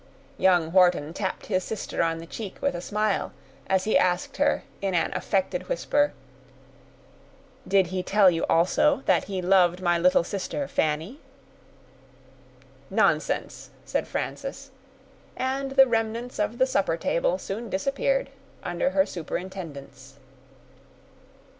Young Wharton tapped his sister on the cheek, with a smile, as he asked her, in an affected whisper, "Did he tell you also that he loved my little sister Fanny?" "Nonsense!" said Frances; and the remnants of the supper table soon disappeared under her superintendence.